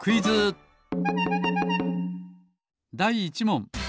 だい１もん。